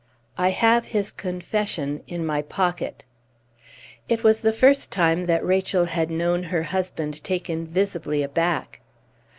"I have his confession in my pocket." It was the first time that Rachel had known her husband taken visibly aback.